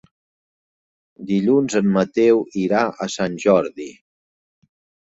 Dilluns en Mateu irà a Sant Jordi.